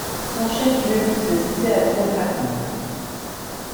Son chef-lieu se situe à Trollhättan.